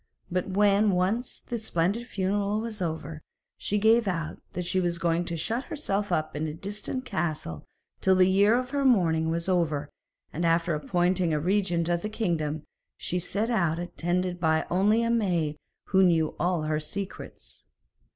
But when once the splendid funeral was over, she gave out that she was going to shut herself up in a distant castle till the year of her mourning was over, and after appointing a regent of the kingdom, she set out attended only by a maid who knew all her secrets.